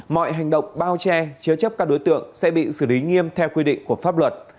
mọi hành động bao che chứa chấp các đối tượng sẽ bị xử lý nghiêm theo quy định của pháp luật